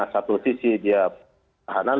satu sisi dia peranan